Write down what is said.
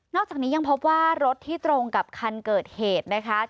อกจากนี้ยังพบว่ารถที่ตรงกับคันเกิดเหตุนะคะ